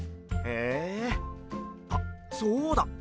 へえあっそうだ！